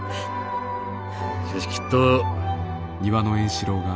しかしきっと」。